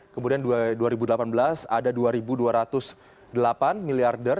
kemudian dua ribu delapan belas ada dua dua ratus delapan miliarder